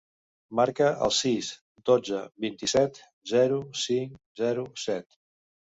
Marca el sis, dotze, vint-i-set, zero, cinc, zero, set.